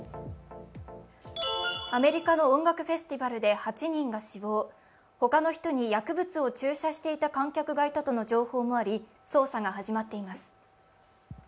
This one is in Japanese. アメリカの音楽フェスティバルで８人が死亡、他の人に薬物を注射していた観客がいたとの情報もあり捜査が始まっています。